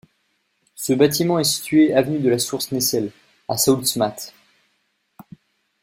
Ce bâtiment est situé avenue de la Source-Nessel à Soultzmatt.